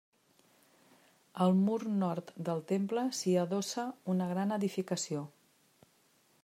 Al mur nord del temple s'hi adossa una gran edificació.